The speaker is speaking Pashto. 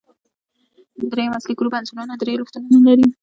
د دریم اصلي ګروپ عنصرونه درې الکترونونه لري.